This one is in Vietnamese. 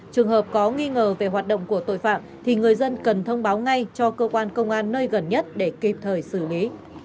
trường hợp có nghi ngờ về hoạt động của tội phạm thì người dân cần thông báo ngay cho cơ quan công an nơi gần nhất để kịp thời xử lý